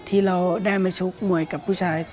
ที่เราได้มาชกมวยกับผู้ชาย